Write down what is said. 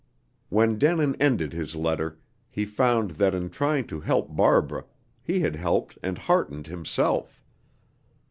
When Denin ended his letter, he found that in trying to help Barbara, he had helped and heartened himself.